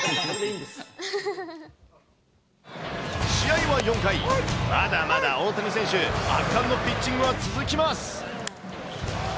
試合は４回、まだまだ大谷選手、圧巻のピッチングは続きます。